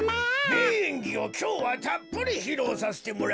めいえんぎをきょうはたっぷりひろうさせてもらうぞ。